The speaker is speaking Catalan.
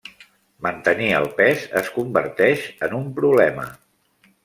Mantenir el pes es converteix en un problema.